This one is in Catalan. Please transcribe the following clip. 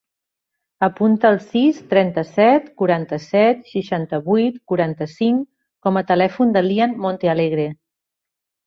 Apunta el sis, trenta-set, quaranta-set, seixanta-vuit, quaranta-cinc com a telèfon de l'Ian Montealegre.